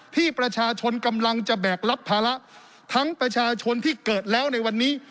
ที่ประชาชนกำลังจะแบกรับภาระทั้งประชาชนที่เกิดแล้วในวันนี้